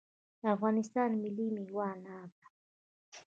د افغانستان ملي میوه انار ده